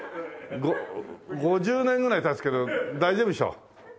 ５０年ぐらい経つけど大丈夫でしょ。